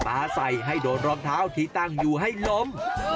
ปลาใส่ให้โดนรองเท้าที่ตั้งอยู่ให้ล้ม